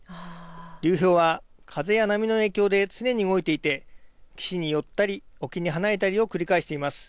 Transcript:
流氷は風や波の影響で常に動いていて岸に寄ったり、沖に離れたりを繰り返しています。